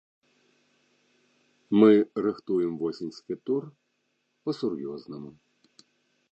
Мы рыхтуем восеньскі тур, па-сур'ёзнаму.